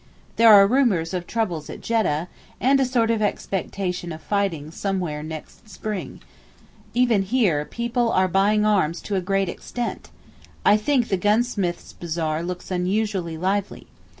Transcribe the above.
There are rumours of troubles at Jeddah, and a sort of expectation of fighting somewhere next spring; even here people are buying arms to a great extent, I think the gunsmiths' bazaar looks unusually lively.